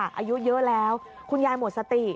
อายุเยอะแล้วคุณยายหมดสติ